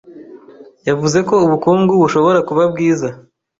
Yavuze ko ubukungu bushobora kuba bwiza.